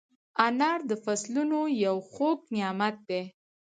انار د فصلونو یو خوږ نعمت دی.